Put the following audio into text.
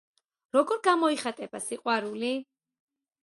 როგორ გამოიხატება სიყვარული?